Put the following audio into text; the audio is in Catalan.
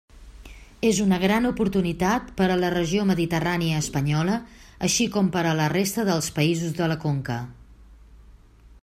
És una gran oportunitat per a la regió mediterrània espanyola, així com per a la resta dels països de la conca.